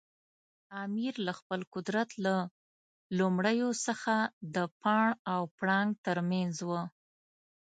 امیر له خپل قدرت له لومړیو څخه د پاڼ او پړانګ ترمنځ و.